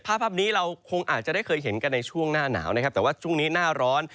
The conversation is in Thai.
ภาพนี้เราคงอาจจะได้เคยเห็นกันในช่วงหน้าหนาวนะครับแต่ว่าช่วงนี้หน้าร้อน